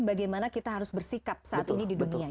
bagaimana kita harus bersikap saat ini di dunia